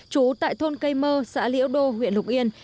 trú tại thôn cây mơ xã liễu đô huyện lục yên